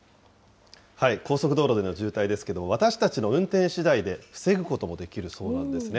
高速道路での渋滞ですけども、私たちの運転しだいで防ぐこともできるそうなんですね。